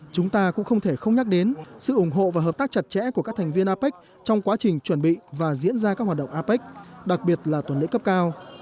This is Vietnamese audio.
chúng ta cũng không thể không nhắc đến sự ủng hộ và hợp tác chặt chẽ của các thành viên apec trong quá trình chuẩn bị và diễn ra các hoạt động apec đặc biệt là tuần lễ cấp cao